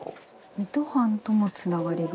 水戸藩ともつながりが。